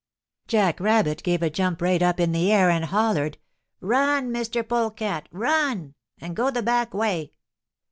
"Jack Rabbit gave a jump right up in the air, and hollered, 'Run! Mr. Polecat, run! and go the back way!'